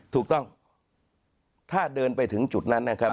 ถูกต้องถ้าเดินไปถึงจุดนั้นนะครับ